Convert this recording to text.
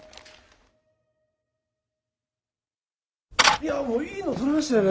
いやもういいの撮れましたよね。